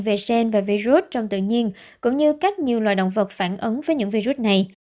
về sen và virus trong tự nhiên cũng như cách nhiều loài động vật phản ứng với những virus này